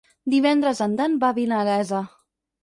Divendres en Dan va a Vinalesa.